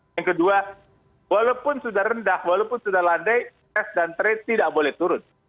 yang kedua walaupun sudah rendah walaupun sudah landai tes dan trade tidak boleh turun